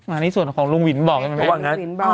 อันนี้ส่วนของลุงวินบอกใช่ไหม